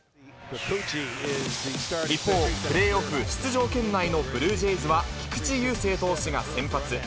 一方、プレーオフ出場圏内のブルージェイズは、菊池雄星投手が先発。